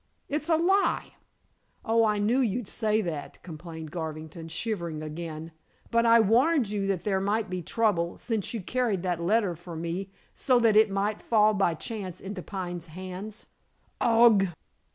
"It's a lie!" "Oh, I knew you'd say that," complained Garvington, shivering again. "But I warned you that there might be trouble, since you carried that letter for me, so that it might fall by chance into Pine's hands." "Augh!"